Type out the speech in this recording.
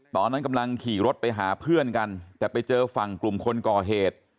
ตอนนั้นกำลังขี่รถไปหาเพื่อนกันแต่ไปเจอฝั่งกลุ่มคนก่อเหตุ